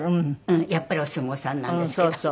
やっぱりお相撲さんなんですけど。